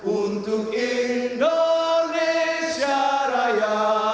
untuk indonesia raya